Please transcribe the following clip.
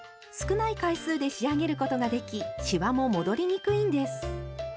少ない回数で仕上げることができしわも戻りにくいんです。